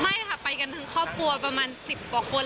ไม่ค่ะไปกันทั้งครอบครัวประมาณ๑๐กว่าคน